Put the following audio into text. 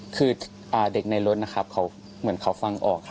คือเด็กในรถนะครับเขาเหมือนเขาฟังออก